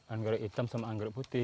anggrek hitam sama anggrek putih